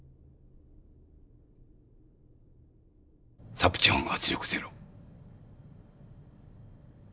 サプチャン圧力ゼロ。